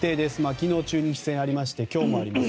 昨日、中日戦がありまして今日もあります。